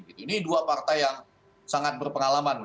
ini dua partai yang sangat berpengalaman